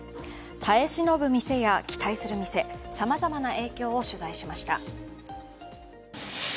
耐え忍ぶ店や期待する店、さまざまな影響を取材しました。